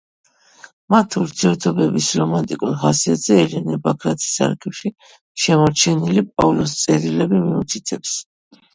მათი ურთიერთობების რომანტიკულ ხასიათზე ელენე ბაქრაძის არქივში შემორჩენილი პაოლოს წერილები მიუთითებს.